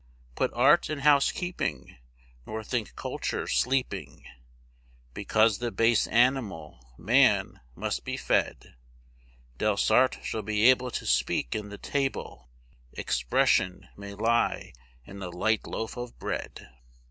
Put art in housekeeping, nor think culture sleeping Because the base animal, man, must be fed. Delsarte should be able to speak in the table 'Expression' may lie in a light loaf of bread.